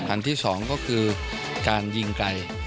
อันที่๒ก็คือการยิงไกล